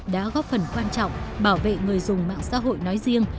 đã góp phần quan trọng bảo vệ người dùng mạng xã hội nói riêng